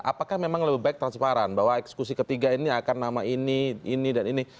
apakah memang lebih baik transparan bahwa eksekusi ketiga ini akan nama ini ini dan ini